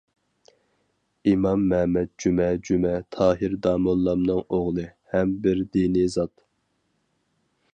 ئىمام مەمەت جۈمە جۈمە تاھىر داموللامنىڭ ئوغلى، ھەم بىر دىنىي زات.